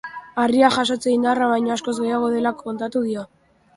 Harriak jasotzea indarra baino askoz gehiago dela kontatu dio.